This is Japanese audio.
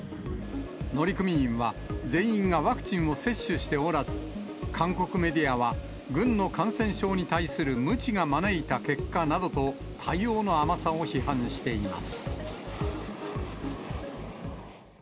乗組員は全員がワクチンを接種しておらず、韓国メディアは、軍の感染症に対する無知が招いた結果などと、対応の甘さを批判しています。